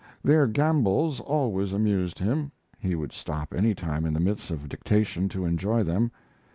Their gambols always amused him. He would stop any time in the midst of dictation to enjoy them.